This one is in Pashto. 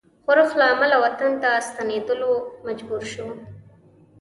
ښورښ له امله وطن ته ستنېدلو مجبور شو.